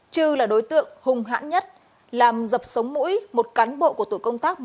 chư là đối tượng hùng hãn nhất làm dập sống mũi một cán bộ của tổ công tác một trăm một